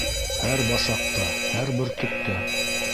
Һәр башаҡта, һәр бөртөктә.